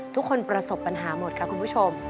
ประสบปัญหาหมดค่ะคุณผู้ชม